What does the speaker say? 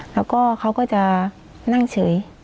แล้วก็เขาก็จะนั่งเฉย